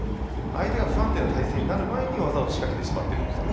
相手が不安定な体勢になる前に技を仕掛けてしまってるんです。